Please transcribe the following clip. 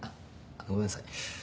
あっごめんなさい。